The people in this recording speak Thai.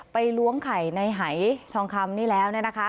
ล้วงไข่ในหายทองคำนี่แล้วเนี่ยนะคะ